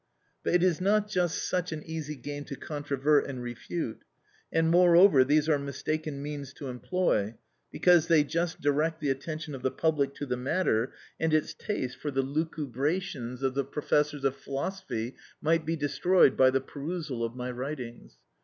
But it is not just such an easy game to controvert and refute; and, moreover, these are mistaken means to employ, because they just direct the attention of the public to the matter, and its taste for the lucubrations of the professors of philosophy might be destroyed by the perusal of my writings.